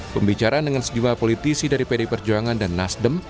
pembicaraan dengan sejumlah politisi dari pd perjuangan dan nasdem